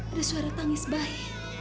ada suara tangis bayi